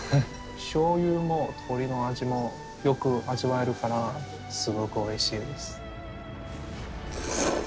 しょうゆも鶏の味もよく味わえるからすごくおいしいです。